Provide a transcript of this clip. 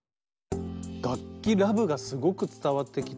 楽器ラブがすごく伝わってきた。